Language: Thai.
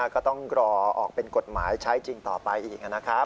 ก็ต้องรอออกเป็นกฎหมายใช้จริงต่อไปอีกนะครับ